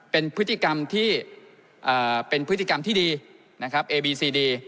เป็นพฤติกรรมที่เป็นพฤติกรรมที่ดีนะครับเอบีซีดี